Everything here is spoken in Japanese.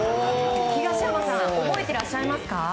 東山さん覚えていらっしゃいますか？